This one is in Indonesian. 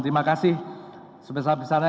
terima kasih sebesar besarnya